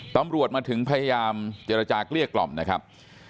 ตำรวจมาถึงพยายามเจรจาเกลี้ยกล่อมนะครับ